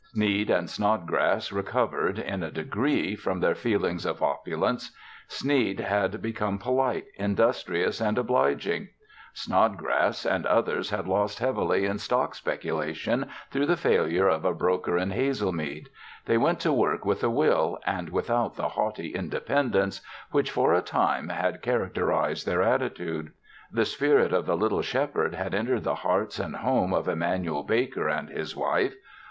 Sneed and Snodgrass recovered, in a degree, from their feeling of opulence. Sneed had become polite, industrious and obliging. Snodgrass and others had lost heavily in stock speculation through the failure of a broker in Hazelmead. They went to work with a will and without the haughty independence which, for a time, had characterized their attitude. The spirit of the Little Shepherd had entered the hearts and home of Emanuel Baker and his wife.